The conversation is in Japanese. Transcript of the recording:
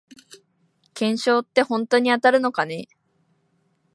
懸賞ってほんとに当たるのかね